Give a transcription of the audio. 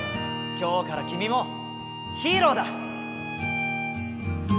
今日からきみもヒーローだ！